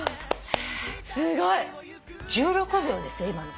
すごい。１６秒ですよ今の。